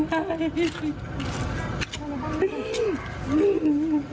ซี่ผมซี่ผม